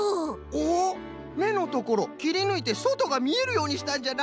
おっめのところきりぬいてそとがみえるようにしたんじゃな。